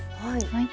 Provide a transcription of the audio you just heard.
はい。